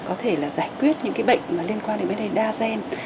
có thể là giải quyết những bệnh liên quan đến vấn đề đa gen